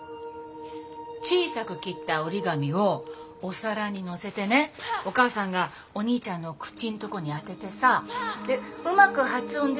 小さく切った折り紙をお皿に載せてねお母さんがお兄ちゃんの口んとこに当ててさうまく発音できるとその折り紙が吹き飛ぶわけよ。